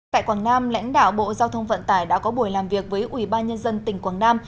tại quảng nam lãnh đạo bộ giao thông vận tải đã có buổi làm việc với ubnd tỉnh quảng nam